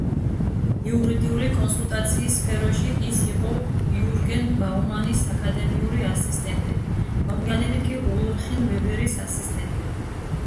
იურიდიული კონსულტაციის სფეროში ის იყო იურგენ ბაუმანის აკადემიური ასისტენტი, მოგვიანებით კი ულრიხ ვებერის ასისტენტი.